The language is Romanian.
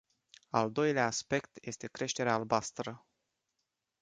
Al doilea aspect este creșterea albastră.